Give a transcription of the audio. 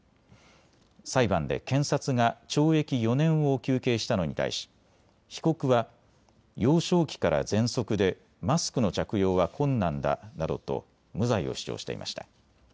裁判で検察が懲役４年を求刑したのに対し被告は幼少期からぜんそくでマスクの着用は困難だなどと無罪を主張していました。